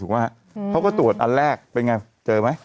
เขาก็ตรวจอันแรกเป็นไงเจอไหม